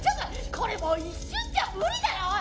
これもう一瞬じゃ無理だよおい。